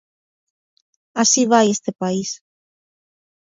Así vai este país.